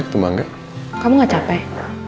kamu gak capek